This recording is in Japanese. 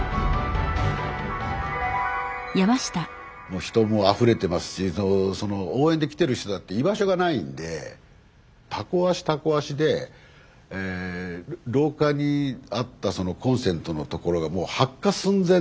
もう人もあふれてますし応援で来てる人だって居場所がないんでタコ足タコ足で廊下にあったコンセントのところがもう発火寸前っていう。